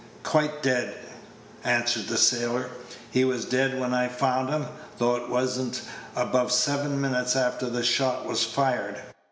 "Quite dead," answered the sailor; "he was dead when I found him, though it was n't above seven minutes after the shot was fired.